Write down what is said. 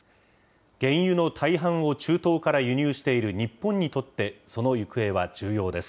原油の大半を中東から輸入している日本にとってその行方は重要です。